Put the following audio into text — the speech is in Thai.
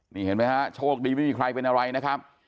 นี่เห็นไหมฮะโชคดีไม่มีใครเป็นอะไรนะครับ